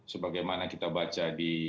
sebagaimana kita baca di